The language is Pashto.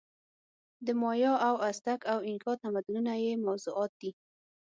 د مایا او ازتک او اینکا تمدنونه یې موضوعات دي.